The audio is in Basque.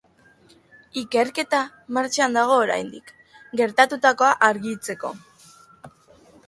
Ikerketa martxan dago oraindik, gertatutakoa argitzeko.